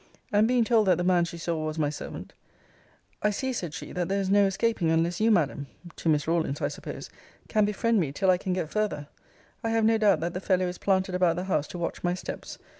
] And being told that the man she saw was my servant; I see, said she, that there is no escaping, unless you, Madam, [to Miss Rawlins, I suppose,] can befriend me till I can get farther. I have no doubt that the fellow is planted about the house to watch my steps.